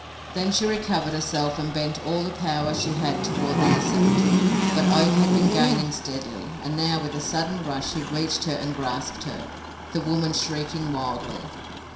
Then she recovered herself and bent all the power she had toward the ascent. But Oak had been gaining steadily, and now, with a sudden rush, he reached her and grasped her, the woman shrieking wildly.